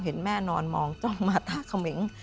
เห็นแม่นอนมองจ้องมาตาเขมง